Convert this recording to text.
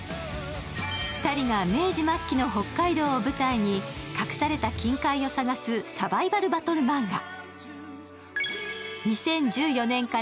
２人が明治末期の北海道を舞台に隠された金塊を探すサバイバルバトルマンガ。